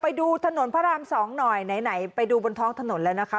ไปดูถนนพระรามสองหน่อยไหนไปดูบนท้องถนนแล้วนะคะ